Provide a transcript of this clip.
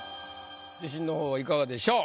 自信の方はいかがでしょう？